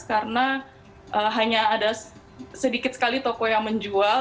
karena hanya ada sedikit sekali toko yang menjual